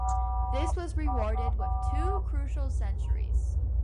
This was rewarded with two crucial centuries.